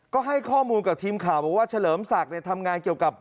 ก็ให้ข้อมูลกับทีมข่าวบอกว่าเฉลิมศักดิ์ทำงานเกี่ยวกับ